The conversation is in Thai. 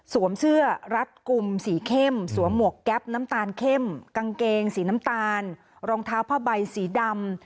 เสื้อรัดกลุ่มสีเข้มสวมหมวกแก๊ปน้ำตาลเข้มกางเกงสีน้ำตาลรองเท้าผ้าใบสีดำ